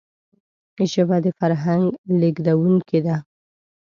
ژبه د فرهنګ لېږدونکی ده